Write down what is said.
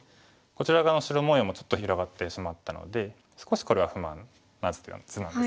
こちら側の白模様もちょっと広がってしまったので少しこれは不満な図なんですね。